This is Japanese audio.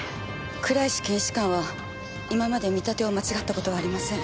倉石検視官は今まで見立てを間違った事はありません。